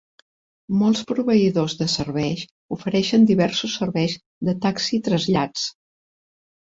Molts proveïdors de serveis ofereixen diversos serveis de taxi i trasllats.